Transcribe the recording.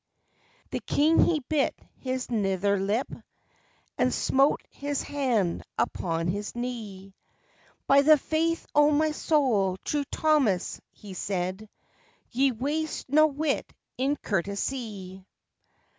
The King he bit his nether lip, And smote his hand upon his knee: "By the faith o' my soul, True Thomas," he said, "Ye waste no wit in courtesie!